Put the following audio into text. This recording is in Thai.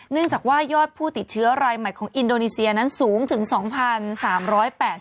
เนื่องจากว่ายอดผู้ติดเชื้อรายใหม่ของอินโดนีเซียนั้นสูงถึง๒๓๘๐